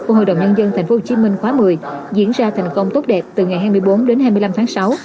của hội đồng nhân dân tp hcm khóa một mươi diễn ra thành công tốt đẹp từ ngày hai mươi bốn đến hai mươi năm tháng sáu